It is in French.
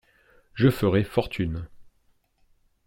Je ferai fortune.